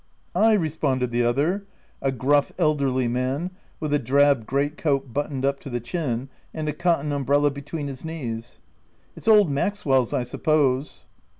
"Ay," responded the other— a gruff elderly man, with a drab great coat buttoned up to the chin and a cotton umbrella between his knees. " It's old Maxwell's I suppose."